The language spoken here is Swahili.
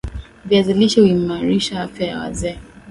Viazi lishe huimarisha afya ya wazee